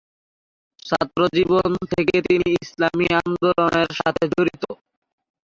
ছাত্রজীবন থেকে তিনি ইসলামি আন্দোলনের সাথে জড়িত।